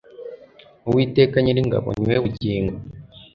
uwiteka nyiringabo niwe bugingo